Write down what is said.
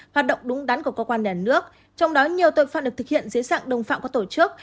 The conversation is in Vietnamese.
hoạt động đúng đắn của cơ quan nhà nước trong đó nhiều tội phạm được thực hiện dưới dạng đồng phạm có tổ chức